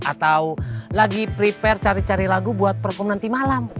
atau lagi prepare cari cari lagu buat perform nanti malam